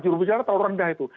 juru bicara tahun rendah itu